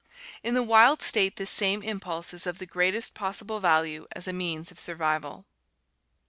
In the wild state this same impulse is of the greatest possible value as a means of survival.